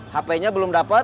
hpnya belum dapet